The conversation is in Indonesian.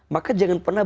maka jangan pernah